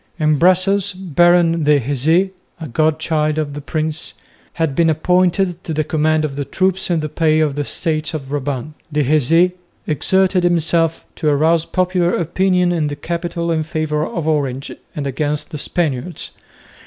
In Brussels Baron de Héze (a god child of the prince) had been appointed to the command of the troops in the pay of the Estates of Brabant. De Héze exerted himself to arouse popular opinion in the capital in favour of Orange and against the Spaniards.